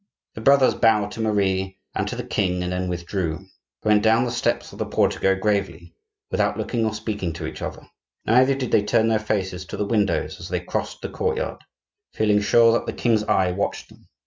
The brothers bowed to Marie and to the king and then withdrew. They went down the steps of the portico gravely, without looking or speaking to each other; neither did they turn their faces to the windows as they crossed the courtyard, feeling sure that the king's eye watched them.